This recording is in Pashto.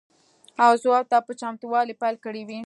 او ځواب ته په چتموالي پیل کړی وي.